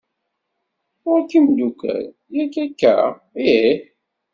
Ɣuṛ-k imdukkal, yak akka? ih.